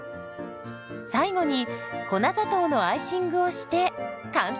最後に粉砂糖のアイシングをして完成。